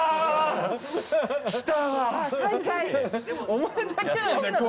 お前だけなんだよ